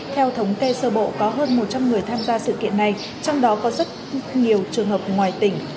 theo thống kê sơ bộ có hơn một trăm linh người tham gia sự kiện này trong đó có rất nhiều trường hợp ngoài tỉnh